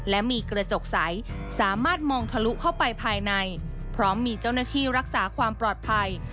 และมีกระจกใสสามารถมองทะลุเข้าไปภายในพร้อมมีเจ้าหน้าที่รักษาความปลอดภัย